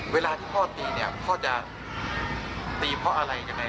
เวลาที่พ่อตีเนี่ยพ่อจะตีเพราะอะไรยังไง